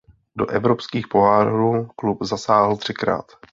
Do evropských pohárů klub zasáhl třikrát.